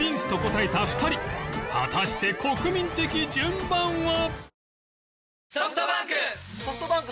果たして国民的順番は？